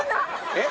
えっ？